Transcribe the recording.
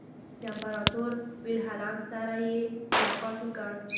د امپراطور ویلهلم سره یې ملاقات وکړ.